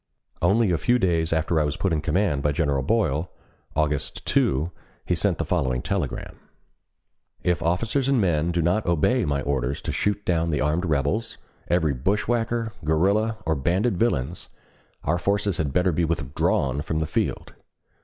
Only a few days after I was put in command by General Boyle. August 2, he sent the following telegram: If officers and men do not obey my orders to shoot down the armed rebels, every bushwhacker, guerrilla, or banded villains, our forces had better be withdrawn from the field.